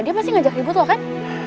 dia pasti ngajak ribut lo kan